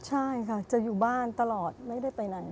ใช่ค่ะจะอยู่บ้านตลอดไม่ได้ไปไหน